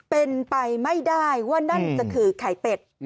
เป็นไปไม่ได้ว่านั่นจะคือไข่เป็ด